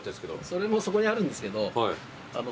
それもそこにあるんですけど。